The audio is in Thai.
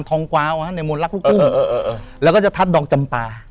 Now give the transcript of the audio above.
ทองกวาวอ่ะในโมนรักลูกทุ่มเออเออเออแล้วก็จะทัดดอกจำปลา